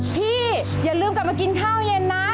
อย่าลืมกลับมากินข้าวเย็นนะ